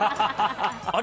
あれ？